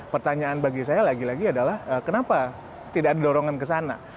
pertanyaan bagi saya lagi lagi adalah kenapa tidak ada dorongan ke sana